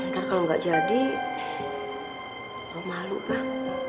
kan kalau nggak jadi lo malu pak